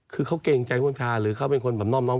คือเขาเกรงใจผู้ชายหรือเขาเป็นคนแบบน่อมน้อง